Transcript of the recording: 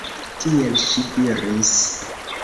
Tiel ŝi diris.